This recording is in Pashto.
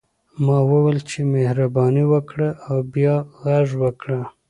ملا وویل چې مهرباني وکړه او بیا غږ وکړه.